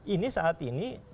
ini saat ini